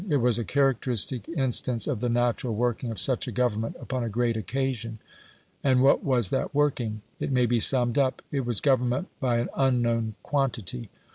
It was a characteristic instance of the natural working of such a government upon a great occasion. And what was that working? It may be summed up it was government by an UNKNOWN QUANTITY.